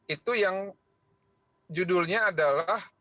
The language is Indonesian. itu yang judulnya adalah